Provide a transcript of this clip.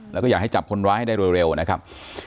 แล้วก็อยากให้จับคนร้ายให้ได้โดยเร็วนะครับ